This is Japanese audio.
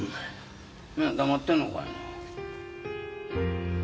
なんや黙ってんのかいな。